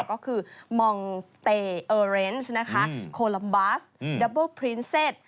ก็คือมองเตอเรนซ์นะคะโคลัมบัสดับเบิลพรีนเซ็ต